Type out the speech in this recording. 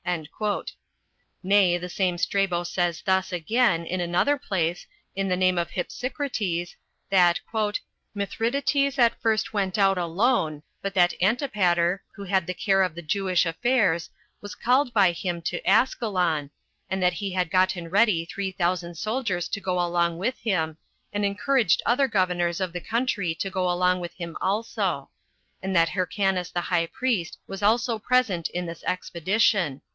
Nay, the same Strabo says thus again, in another place, in the name of Hypsicrates, that "Mithridates at first went out alone; but that Antipater, who had the care of the Jewish affairs, was called by him to Askelon, and that he had gotten ready three thousand soldiers to go along with him, and encouraged other governors of the country to go along with him also; and that Hyrcanus the high priest was also present in this expedition."